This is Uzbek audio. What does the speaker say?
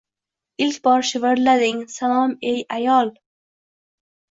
Ilk bor shivirlading: Salom, ey ayol!